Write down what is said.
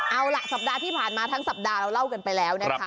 เอาล่ะสัปดาห์ที่ผ่านมาทั้งสัปดาห์เราเล่ากันไปแล้วนะคะ